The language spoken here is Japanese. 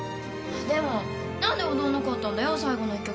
でも何で踊んなかったんだよ最後の１曲。